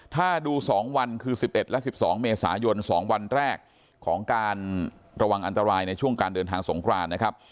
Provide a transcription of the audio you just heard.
ถ้าดู๒วันคือ๑๑และ๑๒เมษายน๒วันแรกของการระวังอันตรายในช่วงการเดินทางสงครานนะครับ